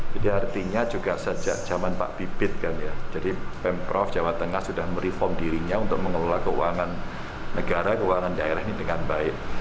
jadi artinya juga sejak zaman pak bibit kan ya jadi pemprov jawa tengah sudah mereform dirinya untuk mengelola keuangan negara keuangan daerah ini dengan baik